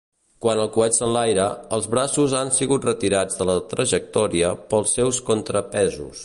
Quan el coet s'enlaira, els braços han sigut retirats de la trajectòria pels seus contrapesos.